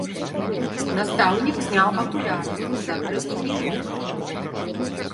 Настаўнік зняў акуляры, закрыў кніжку.